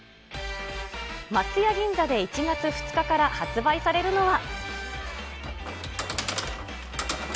松屋銀座で１月２日から発売されるのは。